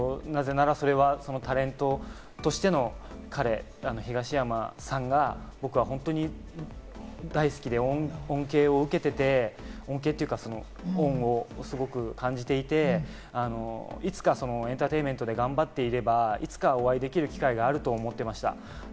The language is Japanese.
なぜならそれはタレントとしての彼、東山さんが僕は本当に大好きで恩恵を受けていて、恩恵というか恩をすごく感じていて、いつかエンターテインメントで頑張っていれば、いつかお会いできる機会があると思っていました。